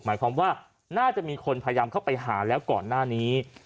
หมายความว่าน่าจะมีคนพยายามเข้าไปหาแล้วก่อนหน้านี้